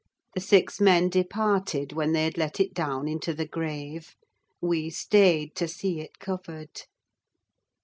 The six men departed when they had let it down into the grave: we stayed to see it covered.